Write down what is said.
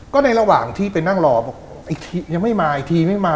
ก็ในระหว่างที่ไปนั่งรอบอกอีกทียังไม่มาอีกทีไม่มา